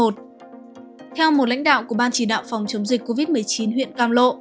theo một lãnh đạo của ban chỉ đạo phòng chống dịch covid một mươi chín huyện cam lộ